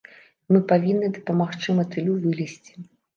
Мы павінны дапамагчы матылю вылезці.